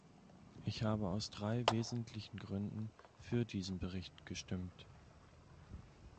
Ich habe aus drei wesentlichen Gründen für diesen Bericht gestimmt.